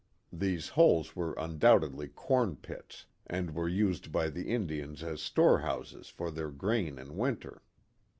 (These holes were undoubtedly corn pits, and were used by the Indians as storehouses for their grain in winter.)